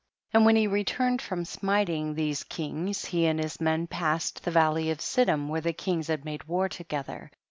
9. And when he returned from smiting these kings, he and his men passed the valley of Siddim where the kings had made war together.